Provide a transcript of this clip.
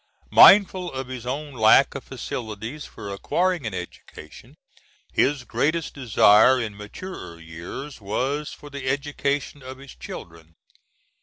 Mindful of his own lack of facilities for acquiring an education, his greatest desire in maturer years was for the education of his children.